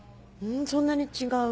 そんなに違う？